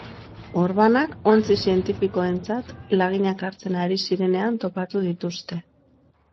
Orbanak ontzi zientifikoentzat laginak hartzen ari zirenean topatu dituzte.